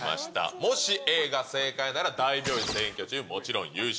もしＡが正解なら大病院占拠チーム、もちろん優勝。